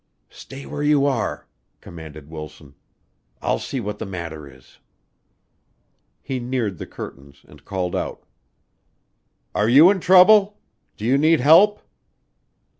"Stay where you are," commanded Wilson. "I'll see what the matter is." He neared the curtains and called out, "Are you in trouble? Do you need help?"